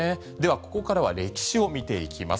ここからは歴史を見ていきます。